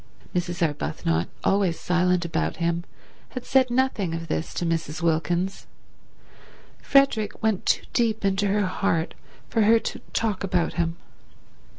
Mrs. Arbuthnot, always silent about him, had said nothing of this to Mrs. Wilkins. Frederick went too deep into her heart for her to talk about him.